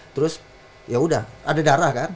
terus ya udah ada darah kan